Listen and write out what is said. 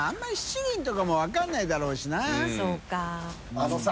あのさ。